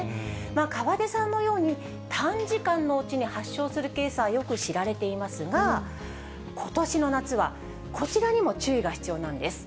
河出さんのように短時間のうちに発症するケースはよく知られていますが、ことしの夏はこちらにも注意が必要なんです。